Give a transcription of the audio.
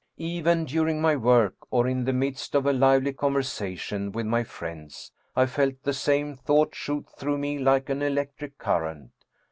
Even during my work, or in the midst of a lively conversation with my friends, I felt the same thought shoot through me like an electric current.